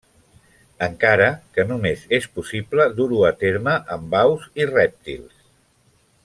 Encara que només és possible dur-ho a terme amb aus i rèptils.